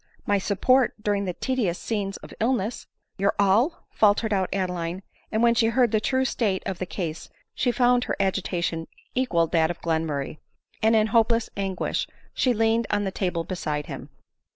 my support during the tedi ous scenes of illness !"" Your all !" faltered out Adeline ; and when she heard the true state of the case she found her agitation equal led that of Glenmurray, and in hopeless anguish she leaned on the table beside him.